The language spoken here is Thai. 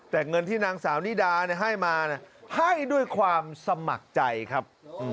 แต่เงินที่นางสาวนิดาให้มาให้ด้วยความสมัครใจครับ